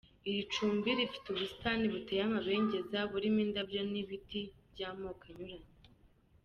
Iri cumbi rifite ubusitani buteye amabengeza burimo indabyo n’ ibiti by’ amoko anyuranye.